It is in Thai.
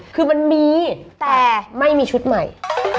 คือมันมีแต่ไม่มีชุดใหม่